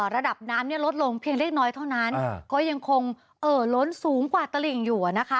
ระดับน้ำลดลงเพียงเล็กน้อยเท่านั้นก็ยังคงเอ่อล้นสูงกว่าตลิ่งอยู่นะคะ